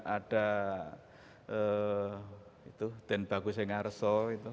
ada den bagusengarso